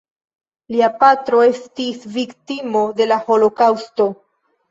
Lia patro estis viktimo de la holokaŭsto.